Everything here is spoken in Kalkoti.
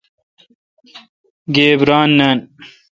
گیب ران نان۔